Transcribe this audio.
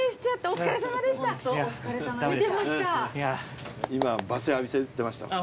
お疲れさまでした。